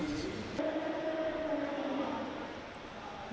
kementerian perhubungan mewajibkan aplikasi peduli lindungi